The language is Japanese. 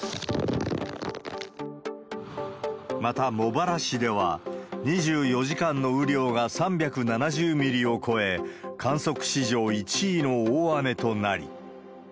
また、茂原市では２４時間の雨量が３７０ミリを超え、観測史上１位の大雨となり。